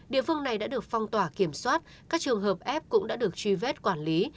địa phương này đã được phong tỏa kiểm soát các trường hợp f cũng đã được truy vết quản lý